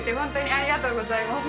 ありがとうございます。